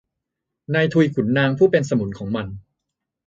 นายทุนขุนนางผู้เป็นสมุนของมัน